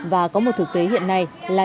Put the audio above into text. và có một thực tế hiện nay là